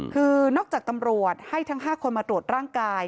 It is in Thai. คือนอกจากตำรวจให้ทั้ง๕คนมาตรวจร่างกาย